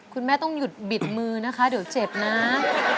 คุณแม่ต้องหยุดบิดมือนะคะเดี๋ยวเจ็บนะ